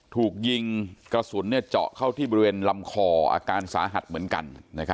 ถูกยิงกระสุนเจาะเข้าที่บริเวณลำคออาการสาหัสเหมือนกัน